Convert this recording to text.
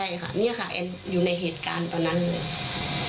ใช่ค่ะเนี่ยค่ะแอนอยู่ในเหตุการณ์ตอนนั้นเลย